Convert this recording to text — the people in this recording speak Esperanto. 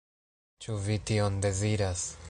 Ĉu vi tion deziras?